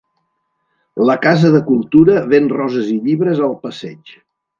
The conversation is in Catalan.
La Casa de cultura ven roses i llibres al passeig.